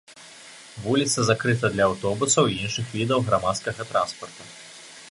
Вуліца закрыта для аўтобусаў і іншых відаў грамадскага транспарта.